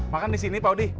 makan disini paudi